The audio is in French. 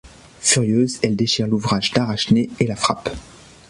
Furieuse, elle déchire l'ouvrage d'Arachné et la frappe.